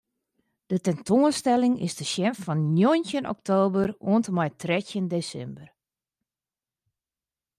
De tentoanstelling is te sjen fan njoggentjin oktober oant en mei trettjin desimber.